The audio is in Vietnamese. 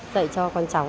dạy cho con cháu